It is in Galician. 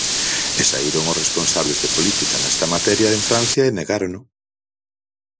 E saíron os responsables de política nesta materia en Francia e negárono.